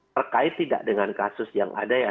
terkait tidak dengan kasus yang ada ya